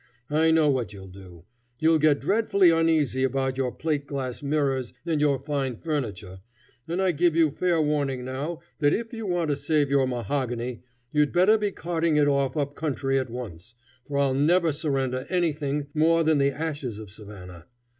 I know what you'll do. You'll get dreadfully uneasy about your plate glass mirrors and your fine furniture; and I give you fair warning now that if you want to save your mahogany you'd better be carting it off up country at once, for I'll never surrender anything more than the ashes of Savannah.